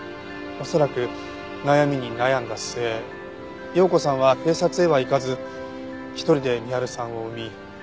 恐らく悩みに悩んだ末葉子さんは警察へは行かず１人で深春さんを産み